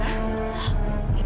terima kasih kak fadil